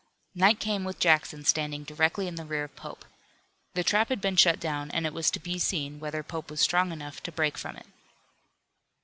Night came with Jackson standing directly in the rear of Pope. The trap had been shut down, and it was to be seen whether Pope was strong enough to break from it.